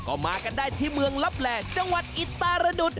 ก็มากันได้ที่เมืองลับแหล่จังหวัดอิตารดุษ